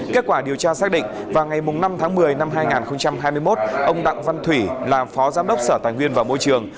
kết quả điều tra xác định vào ngày năm tháng một mươi năm hai nghìn hai mươi một ông đặng văn thủy là phó giám đốc sở tài nguyên và môi trường